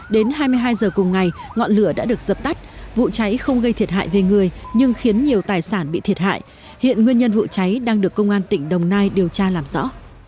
đến hai mươi hai h cùng ngày ngọn lửa đã được dập tắt vụ cháy không gây thiệt hại về người nhưng khiến nhiều tài sản bị thiệt hại hiện nguyên nhân vụ cháy đang được công an tỉnh đồng nai điều tra làm rõ